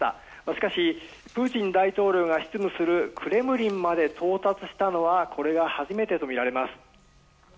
しかし、プーチン大統領が執務するクレムリンまで到達したのはこれが初めてとみられます。